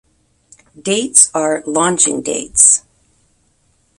Dates are launching dates.